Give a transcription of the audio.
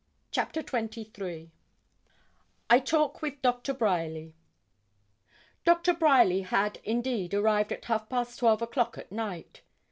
CHAPTER XXIII I TALK WITH DOCTOR BRYERLY Doctor Bryerly had, indeed, arrived at half past twelve o'clock at night.